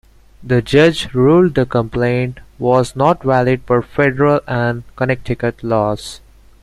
The judge ruled the complaint was not valid per Federal and Connecticut laws.